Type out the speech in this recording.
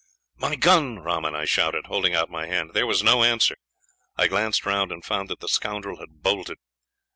"'My gun, Rahman,' I shouted, holding out my hand. There was no answer. I glanced round and found that the scoundrel had bolted.